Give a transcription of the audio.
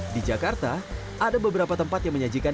di jakarta ada beberapa tempat yang menyajikan